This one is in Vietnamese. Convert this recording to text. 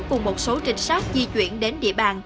cùng một số trinh sát di chuyển đến địa bàn